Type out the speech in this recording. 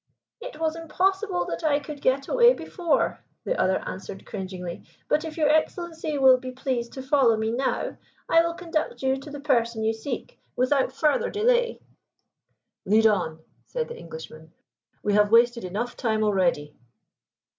"It was impossible that I could get away before," the other answered cringingly; "but if your Excellency will be pleased to follow me now, I will conduct you to the person you seek, without further delay." "Lead on," said the Englishman; "we have wasted enough time already."